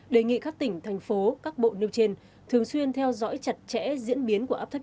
đề nghị các tỉnh thành phố các bộ nêu trên thường xuyên theo dõi chặt chẽ diễn biến của áp thấp